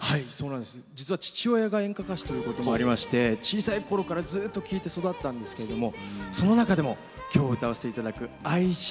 実は父親が演歌歌手ということもあって小さいころからずっと聴いて育ったんですけれどもその中でも今日、歌わせていただく「愛人」